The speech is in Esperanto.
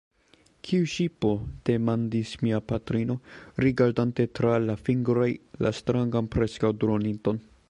Kiu ŝipo? demandis mia patrino, rigardante tra la fingroj la strangan preskaŭ-droninton.